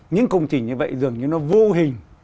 những công trình như vậy dường như nó vô hình